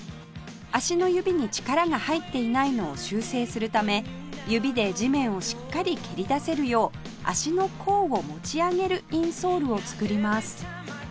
足の指に力が入っていないのを修正するため指で地面をしっかり蹴り出せるよう足の甲を持ち上げるインソールを作ります